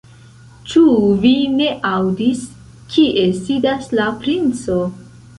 Ĉu vi ne aŭdis, kie sidas la princo?